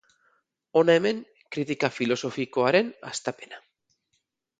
Hona hemen kritika filosofikoaren hastapena.